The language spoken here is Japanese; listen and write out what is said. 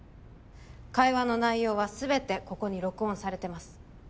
会話の内容は全てここに録音されてます